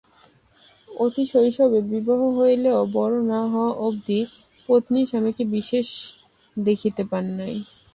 অতিশৈশবে বিবাহ হইলেও বড় না হওয়া অবধি পত্নী স্বামীকে বিশেষ দেখিতে পান নাই।